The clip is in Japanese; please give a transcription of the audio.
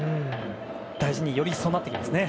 大事により一層なってきますね。